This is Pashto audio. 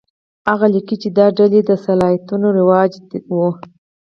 هغه لیکي چې دا د ډیلي د سلاطینو رواج و.